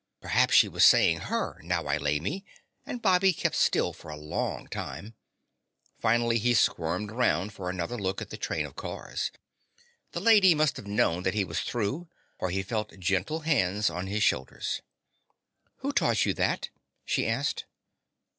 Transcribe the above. Perhaps she was saying her "Now I lay me," and Bobby kept still for a long time. Finally he squirmed around for another look at the train of cars. The lady must have known that he was through, for he felt gentle hands on his shoulders. "Who taught you that?" she asked.